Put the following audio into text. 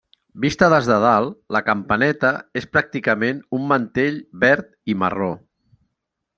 Vista des de dalt, La Campaneta és pràcticament un mantell verd i marró.